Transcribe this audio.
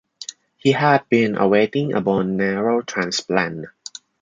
He had been awaiting a bone marrow transplant.